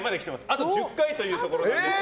あと１０回というところです。